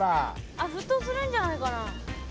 あっ沸騰するんじゃないかな？